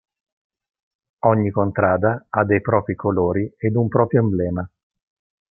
Ogni contrada ha dei propri colori ed un proprio emblema.